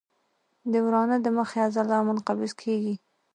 د ورانه د مخې عضله منقبض کېږي.